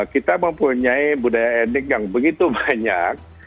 kita mempunyai budaya etnik yang begitu banyak